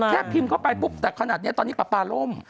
แค่พิมพ์เข้าไปปุ๊บก็คณะเนี้ยตอนนี้ปรับปรับร่ม